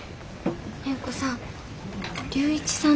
蓮子さん。